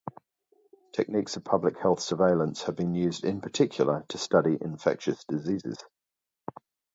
Techniques of public health surveillance have been used in particular to study infectious diseases.